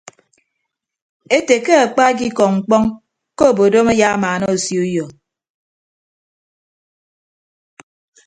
Ete ke akpa ekikọ mkpọñ ke obodom ayamaana osio uyo.